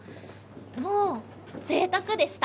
もうぜいたくでした！